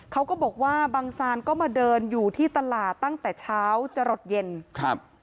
เขาก็บอกว่าบังซานก็มาเดินอยู่ที่ตลาดตั้งแต่เช้าจะหลดเย็นครับ